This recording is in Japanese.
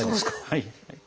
はい。